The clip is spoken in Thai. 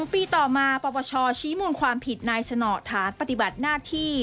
ปีต่อมาปปชชี้มูลความผิดนายสนฐานปฏิบัติหน้าที่